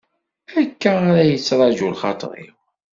Akka ara k-yettraǧu lxaṭer-iw.